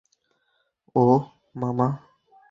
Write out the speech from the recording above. ওহ, মামা।